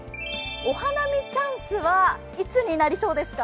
お花見チャンスはいつになりますか？